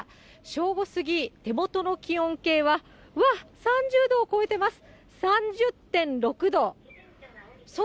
正午過ぎ、手元の気温計は、うわっ、３０度を超えてます。